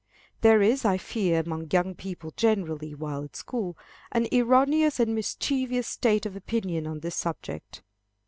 There is, I fear, among young people generally, while at school, an erroneous and mischievous state of opinion on this subject.